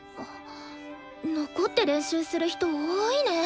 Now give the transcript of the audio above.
残って練習する人多いね。